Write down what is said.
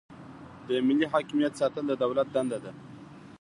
د ملي حاکمیت ساتل د دولت دنده ده.